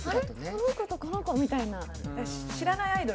この子とこの子みたいな。